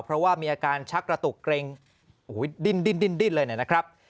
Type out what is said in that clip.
เพราะว่ามีอาการชักกระตุกเกร็งโอ้โหดิ้นเลยนะครับ